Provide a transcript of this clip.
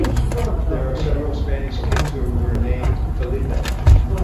There are several Spanish kings who were named Felipe.